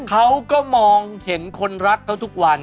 เขาก็มองเห็นคนรักเขาทุกวัน